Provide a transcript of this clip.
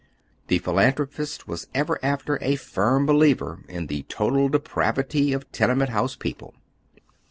The philaatliropist was ever after a firm believer in the total depravity of tenement house people.